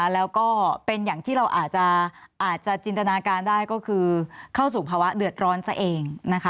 แล้วก็เป็นอย่างที่เราอาจจะจินตนาการได้ก็คือเข้าสู่ภาวะเดือดร้อนซะเอง